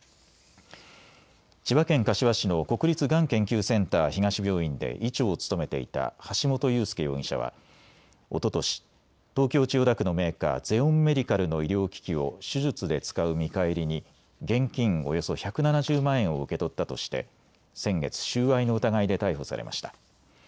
千葉県柏市の国立がん研究センター東病院で医長を務めていた橋本裕輔容疑者はおととし、東京千代田区のメーカー、ゼオンメディカルの医療機器を手術で使う見返りに現金およそ１７０万円を受け取ったとして先月、収賄の疑いで逮捕されました。